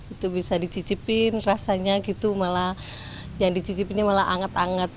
itu bisa dicicipin rasanya gitu malah yang dicicipinnya malah anget anget